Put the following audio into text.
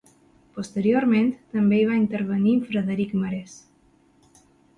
Posteriorment també hi va intervenir Frederic Marès.